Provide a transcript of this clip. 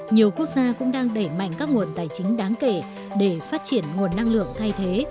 nhiều quốc gia cũng đang đẩy mạnh các nguồn tài chính đáng kể để phát triển nguồn năng lượng thay thế